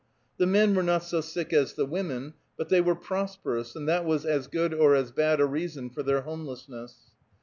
The men were not so sick as the women, but they were prosperous, and that was as good or as bad a reason for their homelessness.